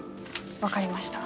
分かりました。